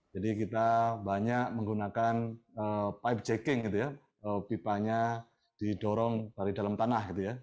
jadi kita banyak menggunakan pipe checking gitu ya pipanya didorong dari dalam tanah gitu ya